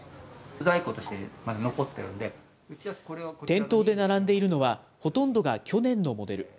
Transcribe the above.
店頭で並んでいるのは、ほとんどが去年のモデル。